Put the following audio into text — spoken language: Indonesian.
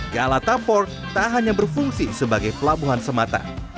galata empat tak hanya berfungsi sebagai pelabuhan semata